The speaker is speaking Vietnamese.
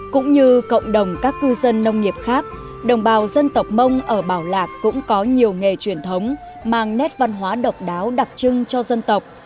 cũng như cộng đồng các cư dân nông nghiệp khác đồng bào dân tộc mông ở bảo lạc cũng có nhiều nghề truyền thống mang nét văn hóa độc đáo đặc trưng cho dân tộc